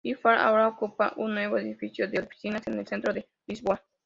Hi Fly ahora ocupa un nuevo edificio de oficinas en el centro de Lisboa.